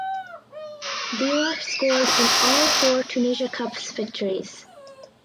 Diwa scored in all four Tunisia Cups victories.